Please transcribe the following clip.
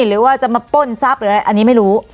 หรือว่าจะมาป้นทรัพย์หรืออะไรอันนี้ไม่รู้